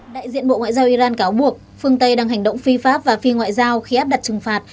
đại diện bộ ngoại giao iran cáo buộc phương tây đang hành động phi pháp và phi ngoại giao khi áp đặt trừng phạt